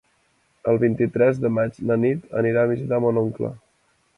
El vint-i-tres de maig na Nit anirà a visitar mon oncle.